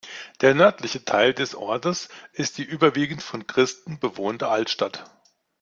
Der nördliche Teil des Ortes ist die überwiegend von Christen bewohnte Altstadt.